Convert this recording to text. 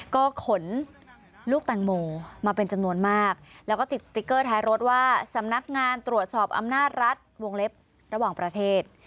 ก็ขนลูกแตงโมมาเป็นจำนวนมากแล้วก็ติดสติ๊กเกอร์ท้ายรถว่าสำนักงานตรวจสอบอำนาจรัฐวงเล็บระหว่างประเทศ